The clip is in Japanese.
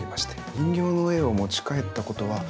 人形の絵を持ち帰ったことはないですか？